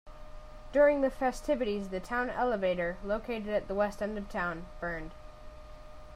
During the festivities the town elevator, located at the west end of town, burned.